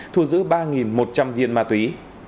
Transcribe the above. thu giữ ba một trăm linh viên ma túy